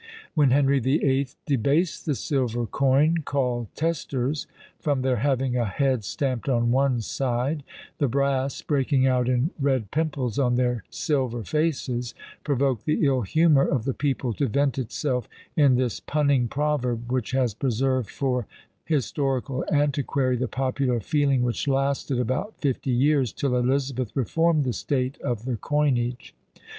_ When Henry the Eighth debased the silver coin, called testers, from their having a head stamped on one side; the brass, breaking out in red pimples on their silver faces, provoked the ill humour of the people to vent itself in this punning proverb, which has preserved for the historical antiquary the popular feeling which lasted about fifty years, till Elizabeth reformed the state of the coinage.